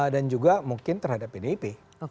dan juga mungkin terhadap pdip